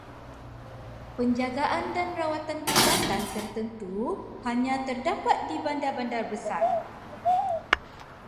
Penjagaan dan rawatan perubatan tertentu hanya terdapat di bandar-bandar besar.